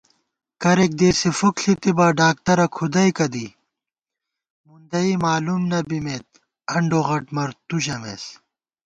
کرېک دېسے فُک ݪِتِبہ ڈاکترہ کھُدَئیکہ دی * مُندَئی مالُوم نہ بِمېت انڈوغٹ مر تُو ژَمېس